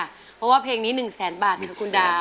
เพราะว่าเพลงนี้๑แสนบาทค่ะคุณดาว